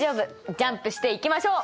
ジャンプしていきましょう！